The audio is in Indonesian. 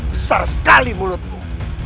besar sekali mulutmu